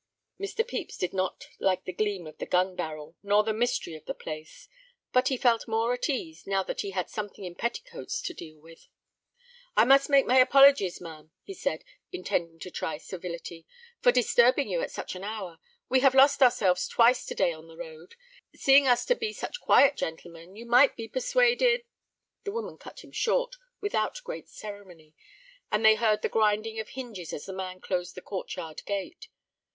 Mr. Pepys did not like the gleam of the gun barrel, nor the mystery of the place; but he felt more at ease, now that he had something in petticoats to deal with. "I must make my apologies, ma'am," he said, intending to try civility, "for disturbing you at such an hour. We have lost ourselves twice to day on the road. Seeing us to be such quiet gentlemen, you might be persuaded—" The woman cut him short without great ceremony, and they heard the grinding of hinges as the man closed the court yard gate.